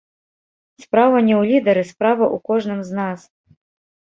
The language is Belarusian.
Справа не ў лідары, справа ў кожным з нас.